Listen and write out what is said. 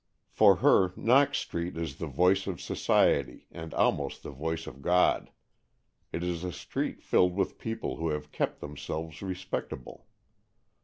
For her Knox Street is the voice of society, and almost the voice of God. It is a street filled with people who have kept themselves respect able.